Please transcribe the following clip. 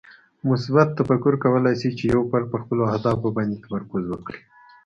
مثبت تفکر کولی شي چې یو فرد پر خپلو اهدافو باندې تمرکز وکړي.